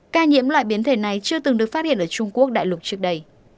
ca nhiễm loại biến thể này chưa từng được phát hiện ở trung quốc đại lục trước đây